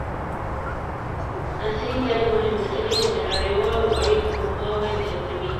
عصري تعلیم مهم دی ځکه چې د نړیوالو اړیکو پوهاوی زیاتوي.